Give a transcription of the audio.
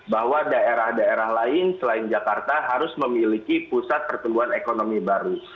bahwa daerah daerah lain selain jakarta harus memiliki pusat pertumbuhan ekonomi baru